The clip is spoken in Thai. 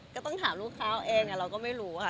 ก็ต้องถามลูกค้าเองเราก็ไม่รู้ค่ะ